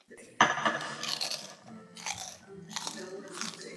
S tímto souborem opatření existuje rovněž důvod k optimismu.